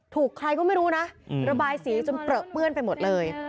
ถูกใครก็ไม่รู้นะระบายสีจนเปลือเปื้อนไปหมดเลย